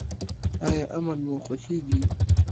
ایا امن مو خوښیږي؟